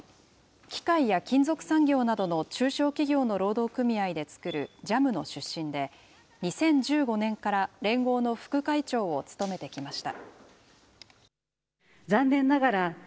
機械や金属産業などの中小企業の労働組合で作るＪＡＭの出身で、２０１５年から連合の副会長を務めてきました。